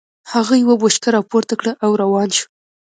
هغه يوه بوشکه را پورته کړه او روان شو.